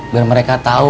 biar mereka tau